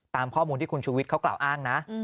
ตามข้อมูลที่คุณชูวิทย์เขากล่าวอ้างนะ